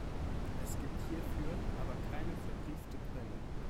Es gibt hierfür aber keine verbriefte Quelle.